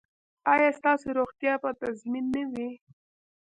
ایا ستاسو روغتیا به تضمین نه وي؟